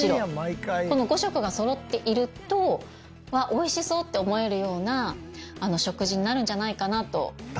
この５色がそろっていると美味しそうって思えるような食事になるんじゃないかなと。